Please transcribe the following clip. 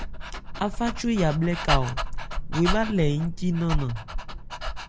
Áféchwe yabhlɛ́ ka, wo ebhá lɛ ncí nannan.